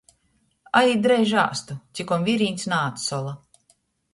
Ejit dreiži āstu, cikom virīņs naatsola!